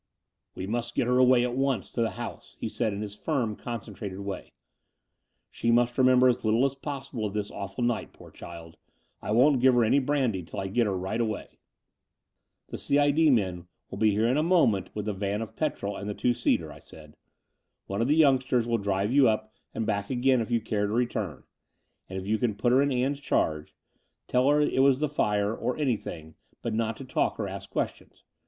"We must get her away at once up to the house," he said in his firm, concentrated way. '*She must remember as little as possible of this awful night, poor child. I won't give her any brandy till I get her right away." "The C. I. D. men will be here in a moment with the van of petrol and the two seater," I said. One of the youngsters will drive you up and back again, if you care to return : and you can put her in Ann's charge — tell her it was the fire, or any thing, but not to talk or ask questions.